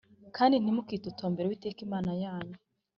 Kandi ntimukitotombere uwiteka Imana yanyu